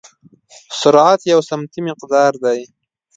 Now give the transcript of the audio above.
سرعت یو سمتي مقدار دی.